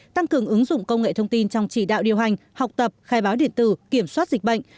tăng cường ứng dụng công nghệ thông tin trong chỉ đạo điều hành học tập khai báo điện tử kiểm soát dịch bệnh